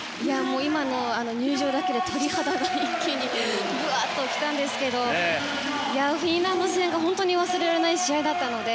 今の入場だけで鳥肌が一気に来たんですがフィンランド戦が本当に忘れられない試合だったので。